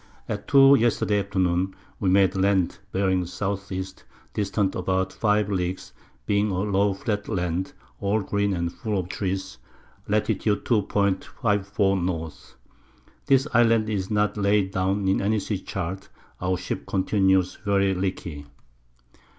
At Two Yesterday Afternoon we made Land, bearing S. E. distant about 5 Leagues, being a low flat Island, all green, and full of Trees. Lat. 2. 54. N. This Island is not laid down in any Sea Chart; our Ship continues very leaky.